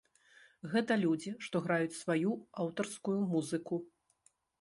Гэта людзі, што граюць сваю аўтарскую музыку.